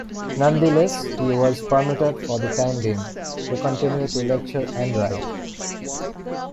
Nonetheless, he was permitted, for the time being, to continue to lecture and write.